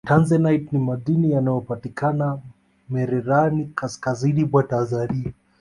tanzanite ni madini yanayopatikana mererani kaskazini mwa tanzania